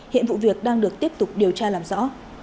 hiện vụ việc đang được tiếp tục điều tra làm rõ